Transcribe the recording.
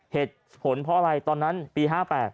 เหตุผลเพราะอะไรตอนนั้นปี๕๘